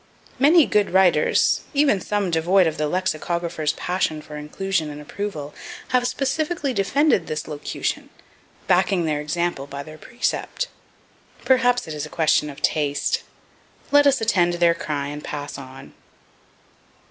Many good writers, even some devoid of the lexicographers' passion for inclusion and approval, have specifically defended this locution, backing their example by their precept. Perhaps it is a question of taste; let us attend their cry and pass on.